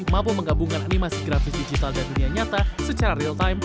mampu menggabungkan animasi grafis digital dan dunia nyata secara real time